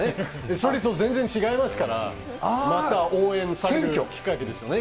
それと全然違いますから、また、応援されるきっかけですよね。